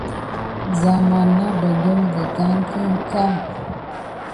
Zamane nà ɗongole gəlgane kiyan kā.